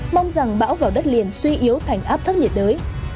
mong rằng bão vào đất liền suy yếu thành áp thấp nhiệt đới